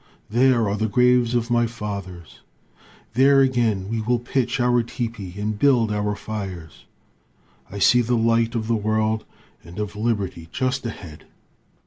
There are the graves of my fathers. There again we will pitch our teepee and build our fires. I see the light of the world and of liberty just ahead.'